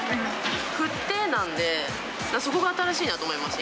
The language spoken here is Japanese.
振ってなんで、そこが新しいなと思いました。